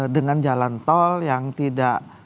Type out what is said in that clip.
dengan jalan tol yang tidak